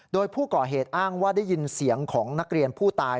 โดยผู้ก่อเหตุอ้างว่าได้ยินเสียงของนักเรียนผู้ตาย